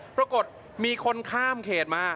ปรากฏมีคนข้ามเขตมา